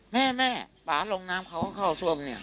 แม่แม่ป่าลงน้ำเขาเข้าส้มเนี่ย